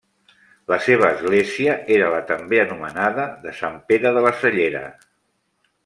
La seva església era la també anomenada de Sant Pere de la Cellera.